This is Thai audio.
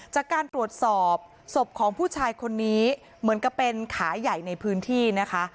จากการตรวจสอบศพของผู้ชายคนนี้เหมือนกับเป็นขาใหญ่ในพื้นที่นะคะ